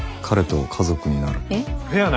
彼と家族になるのは。